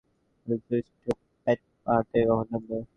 জানি না এই স্টুপিট পাহাড় থেকে কখন নামবো!